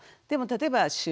でも例えばへえ！